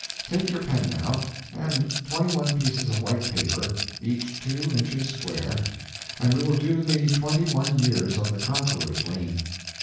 Take your pen now, and twenty one pieces of white paper, each two inches square, and we will do the twenty one years of the Conqueror's reign.